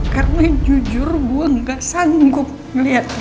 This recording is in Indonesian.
karena jujur gue nggak sanggup melihatnya